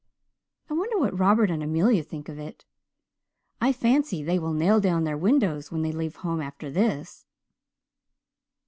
"I wonder what Robert and Amelia think of it. I fancy they will nail down their windows when they leave home after this!"